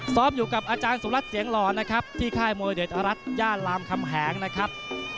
อยู่กับอาจารย์สุรัสตเสียงหล่อนะครับที่ค่ายมวยเดชรัฐย่านรามคำแหงนะครับ